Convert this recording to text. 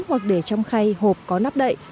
hoặc để trong khay hộp có nắp đậy